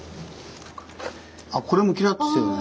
あこれもキラッとしてるね。